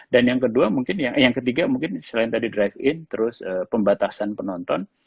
dan yang ketiga mungkin selain tadi drive in terus pembatasan penonton